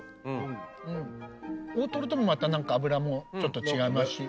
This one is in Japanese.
大トロともまた何か脂もちょっと違いますし。